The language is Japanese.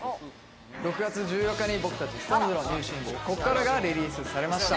６月１４日に僕たちＳｉｘＴＯＮＥＳのニューシングル『こっから』がリリースされました。